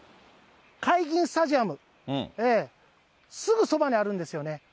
かいぎんスタジアム、すぐそばにあるんですよね。